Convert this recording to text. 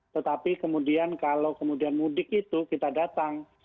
tetapi kemudian kalau kemudian mudik itu kita datang